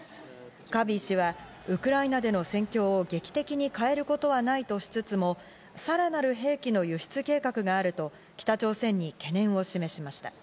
カービー氏はウクライナでの戦況を劇的に変えることはないとしつつも、さらなる兵器の輸出計画があると北朝鮮に懸念を示しました。